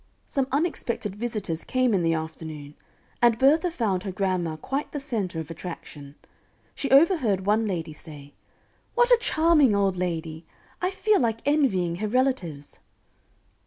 Some unexpected visitors came in the afternoon, and Bertha found her grandma quite the center of attraction. She overheard one lady say: "What a charming old lady! I feel like envying her relatives."